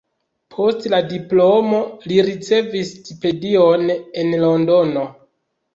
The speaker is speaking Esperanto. Post la diplomo li ricevis stipendion en Londono.